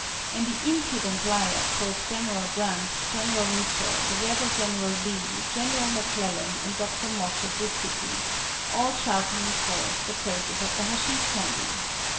And the impudent liar quotes General Grant, General Mitchell, the Rebel General Lee, General McClellan, and Doctor Mott of this city, all shouting in chorus the praises of the Hasheesh Candy!